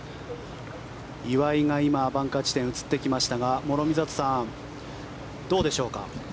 岩井が今、バンカー地点映ってきましたが諸見里さん、どうでしょうか。